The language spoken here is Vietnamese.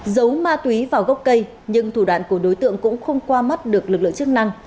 giấu ma túy vào gốc cây nhưng thủ đoạn của đối tượng cũng không qua mắt được lực lượng chức năng